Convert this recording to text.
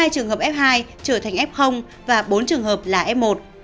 hai trường hợp f hai trở thành f và bốn trường hợp là f một